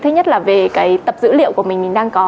thứ nhất là về cái tập dữ liệu của mình mình đang có